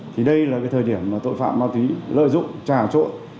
thì đây là cái thời điểm mà tội phạm ma túy lợi dụng trà trộn